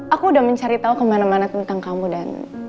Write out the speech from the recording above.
aku udah mencari tahu kemana mana tentang kamu dan